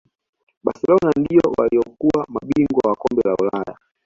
barcelona ndio waliyokuwa mabingwa wa kombe la ulaya